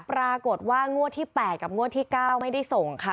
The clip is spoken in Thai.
ปรากฏว่างวดที่๘กับงวดที่๙ไม่ได้ส่งค่ะ